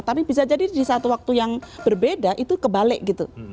tapi bisa jadi di satu waktu yang berbeda itu kebalik gitu